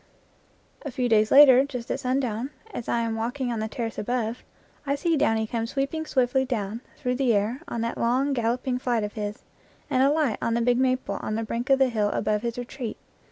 A few days later, just at sundown, as I am walking on the terrace above, I see Downy come sweeping swiftly down through the air on that long galloping flight of his, and alight on the big maple on the brink of the hill above his retreat.